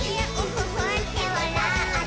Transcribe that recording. ふっふってわらって」